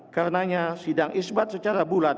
karenanya sidang isbat secara bulat